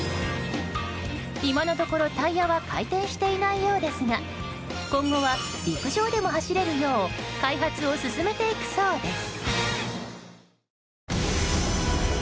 今のところ、タイヤは回転していないようですが今後は陸上でも走れるよう開発を進めていくそうです。